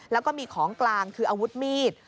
แล้วก็มีของกลางคืออาวุธมีด